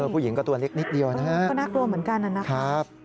ผู้หญิงก็ตัวเล็กเดียวนะครับครับก็น่ากลัวเหมือนกันน่ะ